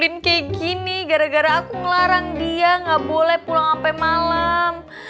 makanya aku dipukulin kayak gini gara gara aku ngelarang dia nggak boleh pulang sampai malem